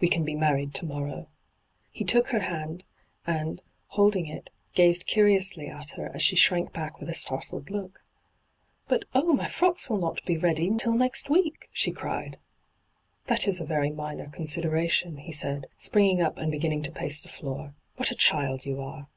We can be married to morrow.' hyGoogIc 136 ENTRAPPED He took her hand, and, holding it, gazed curiously at her as she shrank back with a startled look. ' But — oh — my frocks will not be ready till nest week I' she cried. ' That is a very minor consideration,' he said, springing up and beginning to pace the floor. ' What a child you are